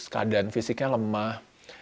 keadaan fisiknya lemah